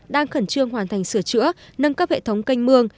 đang khẩn trương hoàn thành sửa chữa nâng cấp hệ thống canh mương